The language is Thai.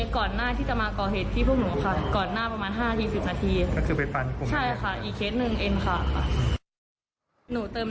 ก็คือไปปันคุณซึ่งนะครับค่ะใช่ค่ะอีกเคสนึงนค่ะ